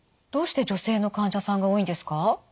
どうして女性の患者さんが多いんですか？